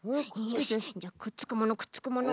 よしじゃあくっつくものくっつくもの。